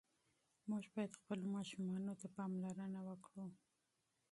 موږ باید خپلو ماشومانو ته پاملرنه وکړو.